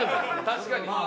確かに。